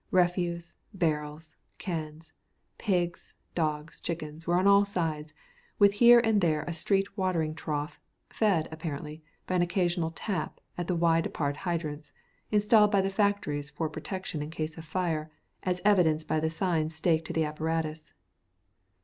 Refuse, barrels, cans, pigs, dogs, chickens, were on all sides, with here and there a street watering trough, fed, apparently, by an occasional tap at the wide apart hydrants, installed by the factories for protection in case of fire, as evidenced by the signs staked by the apparatus.